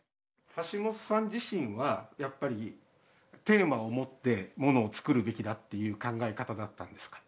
橋本さん自身はやっぱりテーマを持ってものを作るべきだっていう考え方だったんですか？